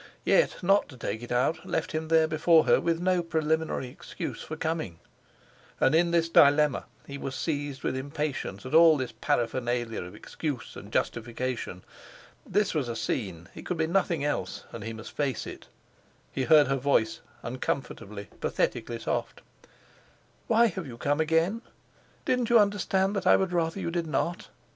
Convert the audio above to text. Yet, not to take it out left him there before her with no preliminary excuse for coming. And in this dilemma he was seized with impatience at all this paraphernalia of excuse and justification. This was a scene—it could be nothing else, and he must face it. He heard her voice, uncomfortably, pathetically soft: "Why have you come again? Didn't you understand that I would rather you did not?"